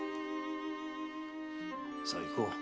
さあ行こうお栄。